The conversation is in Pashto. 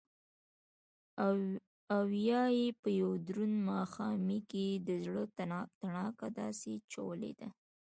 او يا يې په يو دروند ماښامي کښې دزړه تڼاکه داسې چولې ده